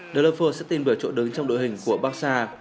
liverpool sẽ tìm được chỗ đứng trong đội hình của barca